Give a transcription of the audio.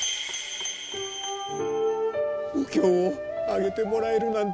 お経をあげてもらえるなんて。